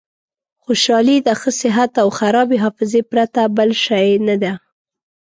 خوشحالي د ښه صحت او خرابې حافظې پرته بل شی نه ده.